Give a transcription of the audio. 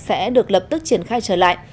sẽ được lập tức triển khai trở lại